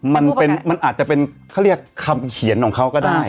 มันอาจจะเป็นคำเขียนของเขาก็ได้